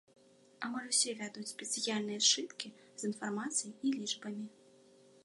Амаль усе вядуць спецыяльныя сшыткі з інфармацыяй і лічбамі.